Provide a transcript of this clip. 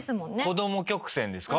子供曲線ですか？